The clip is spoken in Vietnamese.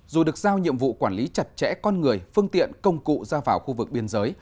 dù được giao nhiệm vụ quản lý chặt chẽ con người phương tiện công cụ ra vào khu vực biên giới